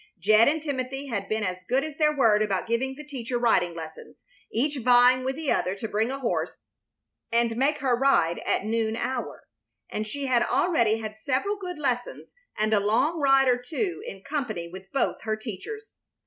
Jed and Timothy had been as good as their word about giving the teacher riding lessons, each vying with the other to bring a horse and make her ride at noon hour, and she had already had several good lessons and a long ride or two in company with both her teachers.